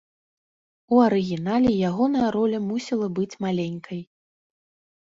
У арыгінале ягоная роля мусіла быць маленькай.